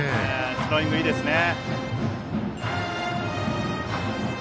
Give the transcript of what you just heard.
スローイングいいですよね。